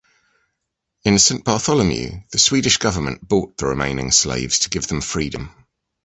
In Saint Bartholomew, the Swedish government bought the remaining slaves to give them freedom.